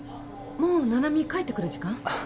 もう七海帰ってくる時間？